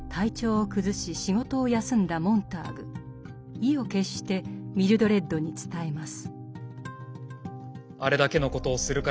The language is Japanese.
意を決してミルドレッドに伝えます。